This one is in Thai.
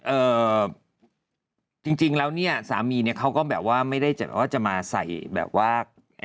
เอ่อจริงแล้วเนี่ยสามีเนี่ยเขาก็แบบว่าไม่ได้จะว่าจะมาใส่แบบว่า